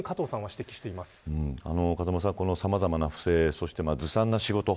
風間さん、さまざまな不正ずさんな仕事。